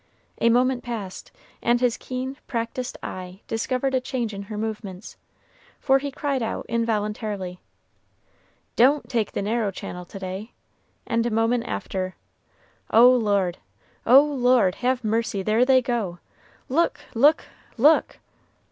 A moment passed, and his keen, practiced eye discovered a change in her movements, for he cried out involuntarily, "Don't take the narrow channel to day!" and a moment after, "O Lord! O Lord! have mercy, there they go! Look! look! look!"